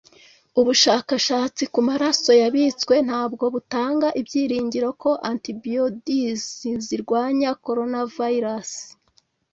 Ubushakashatsi ku maraso yabitswe ntabwo butanga ibyiringiro ko antibodies zirwanya coronavirus